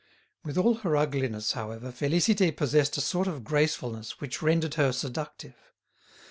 With all her ugliness, however, Félicité possessed a sort of gracefulness which rendered her seductive.